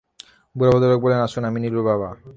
বুড়ো ভদ্রলোক বললেন, আসুন, আমি নীলুর বাবা।